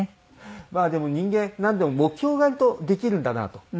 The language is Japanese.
まあでも人間なんでも目標があるとできるんだなと。